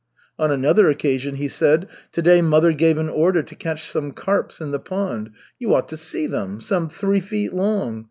On another occasion, he said: "To day mother gave an order to catch some carps in the pond. You ought to see them! Some three feet long!